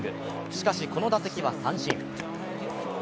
しかしこの打席は三振。